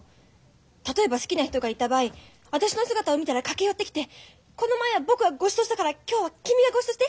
例えば好きな人がいた場合私の姿を見たら駆け寄ってきて「この前は僕がごちそうしたから今日は君がごちそうして。